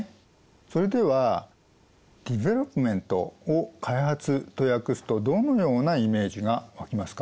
それではＤｅｖｅｌｏｐｍｅｎｔを開発と訳すとどのようなイメージが湧きますか？